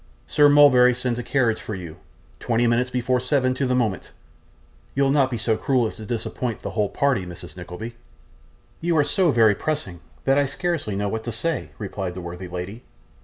Sir Mulberry sends a carriage for you twenty minutes before seven to the moment you'll not be so cruel as to disappoint the whole party, Mrs. Nickleby?' 'You are so very pressing, that I scarcely know what to say,' replied the worthy lady.